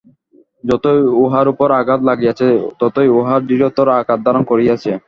যতই উহার উপর আঘাত লাগিয়াছে, ততই উহা দৃঢ়তর আকার ধারণ করিয়াছে।